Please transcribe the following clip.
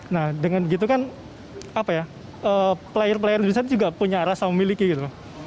nah dengan begitu kan apa ya pelayer player indonesia itu juga punya rasa memiliki gitu